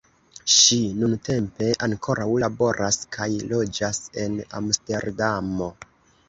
Ŝi nuntempe ankoraŭ laboras kaj loĝas en Amsterdamo.